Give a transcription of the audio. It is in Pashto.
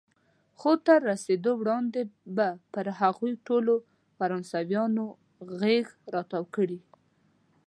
خو تر رسېدو وړاندې به پر هغوی ټولو فرانسویان غېږ را تاو کړي.